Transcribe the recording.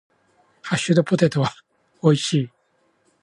ハッシュドポテトは美味しい。